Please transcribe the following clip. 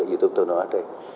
như chúng tôi nói đây